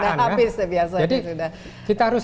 sudah habis biasanya jadi kita harus